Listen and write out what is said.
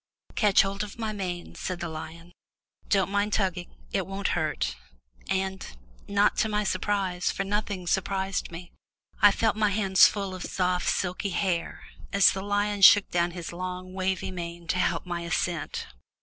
"Catch hold of my mane," said the lion; "don't mind tugging, it won't hurt," and not to my surprise, for nothing surprised me I felt my hands full of soft silky hair, as the lion shook down his long wavy mane to help my ascent.